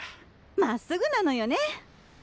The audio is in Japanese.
まっすぐなのよね。